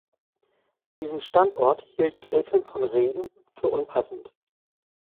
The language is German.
Diesen Standort hielt Gräfin von Reden für unpassend.